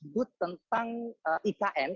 but tentang ikn